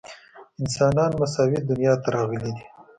انسانان مساوي دنیا ته راغلي دي.